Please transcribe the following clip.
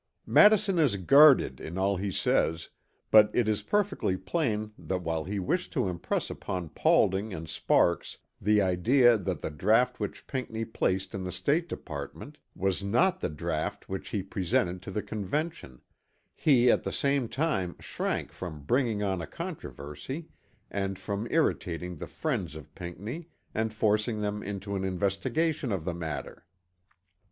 Madison is guarded in all he says, but it is perfectly plain that while he wished to impress upon Paulding and Sparks the idea that the draught which Pinckney placed in the State Department was not the draught which he presented to the Convention, he at the same time shrank from bringing on a controversy and from irritating the friends of Pinckney and forcing them into an investigation of the matter.